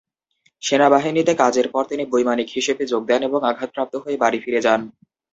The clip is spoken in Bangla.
সেনাবাহিনীতে কাজের পর তিনি বৈমানিক হিসেবে যোগ দেন এবং আঘাতপ্রাপ্ত হয়ে বাড়ি ফিরে যান।